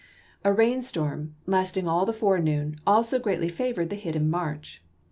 A rain storm, lasting all the forenoon, also gi'eatly favored the hidden march.